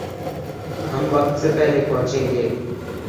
ہم وقت سے پہلے پہنچیں گے